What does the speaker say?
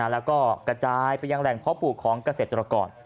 แล้วก็กระจายไปยังแหล่งเพาะปลูกของเกษตรกร